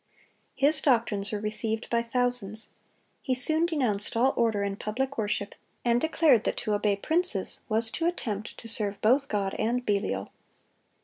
His doctrines were received by thousands. He soon denounced all order in public worship, and declared that to obey princes was to attempt to serve both God and Belial.